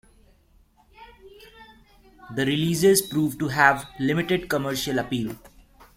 The releases proved to have limited commercial appeal.